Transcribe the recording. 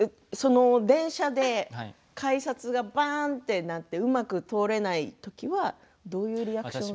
電車で改札がばんとなってうまく通れないときはどういうリアクションしますか。